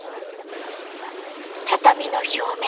畳の表面